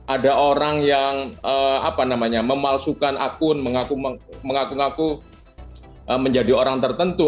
ada orang yang memalsukan akun mengaku ngaku menjadi orang tertentu